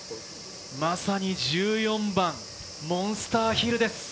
まさに１４番、モンスターヒルです。